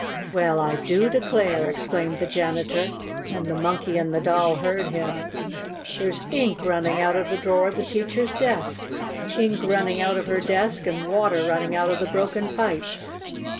"Well, I do declare!" exclaimed the janitor, and the Monkey and the Doll heard him. "There's ink running out of the drawer of the teacher's desk! Ink running out of her desk, and water running out of the broken pipes!